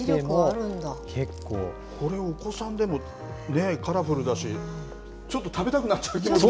これ、お子さんでも、ね、カラフルだし、ちょっと食べたくなっちゃうのも。